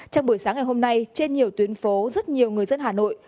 trong buổi sáng ngày hôm nay trên nhiều tuyến phố rất nhiều người dân hà nội